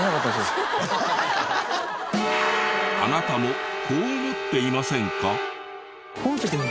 あなたもこう思っていませんか？